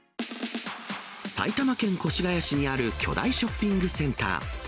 埼玉県越谷市にある巨大ショッピングセンター。